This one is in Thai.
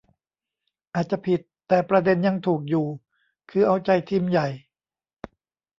อาจจะผิด แต่ประเด็นยังถูกอยู่ คือเอาใจทีมใหญ่